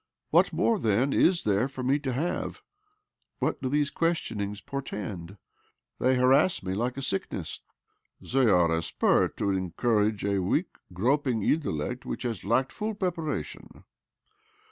What more, then, is there for me to have ? What do these questionings portend? They harass me like a sick ness." OBLOMOV 2 59 " They are a spur to encourage a weak, groping intellect which has lacked full preparation.